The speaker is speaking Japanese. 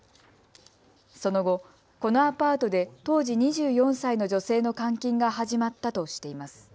その後、このアパートで当時２４歳の女性の監禁が始まったとしています。